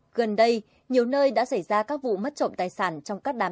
gần đây nhiều nơi đã xảy ra các vụ mất trộm tài sản trong các đám cướ